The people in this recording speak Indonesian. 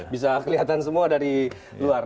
bisa kelihatan semua dari luar